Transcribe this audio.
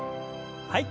はい。